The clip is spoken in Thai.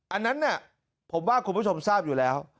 อันนั้นผมว่าคุณผู้ชมทราบอยู่แล้ว